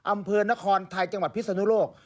อำเภอนครไทยจังหวัดพิศนุโลก